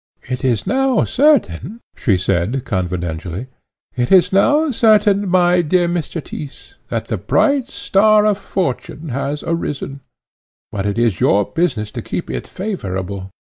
"It is now certain," she said confidentially, "it is now certain, my dear Mr. Tyss, that the bright star of fortune has arisen, but it is your business to keep it favourable.